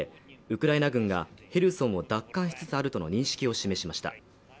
ウクライナ軍がヘルソンを奪還しつつあるとの認識を示しました